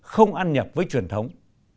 không ăn nhập với truyền thống